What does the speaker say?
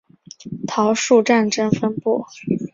桃树战争分布的拓垦地所发动的大规模攻击。